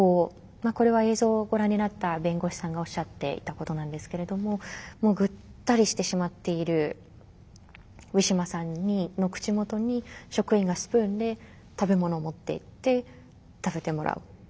これは映像をご覧になった弁護士さんがおっしゃっていたことなんですけれどももうぐったりしてしまっているウィシュマさんの口元に職員がスプーンで食べ物を持っていって食べてもらう。